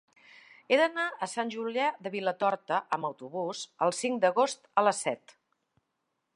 He d'anar a Sant Julià de Vilatorta amb autobús el cinc d'agost a les set.